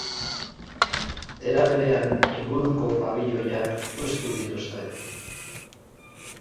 Era berean, inguruko pabiloiak hustu dituzte.